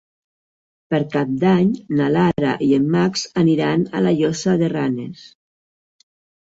Per Cap d'Any na Lara i en Max aniran a la Llosa de Ranes.